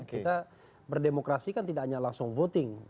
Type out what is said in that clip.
kita berdemokrasi kan tidak hanya langsung voting